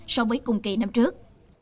so với cùng kỳ năm trước